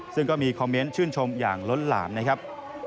ซึ่งก็มีคอมเมนต์ชื่นชมอย่างล้นหลามนะครับ